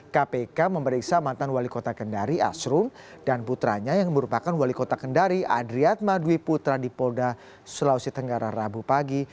kpk memeriksa mantan wali kota kendari asrum dan putranya yang merupakan wali kota kendari adriatma dwi putra di polda sulawesi tenggara rabu pagi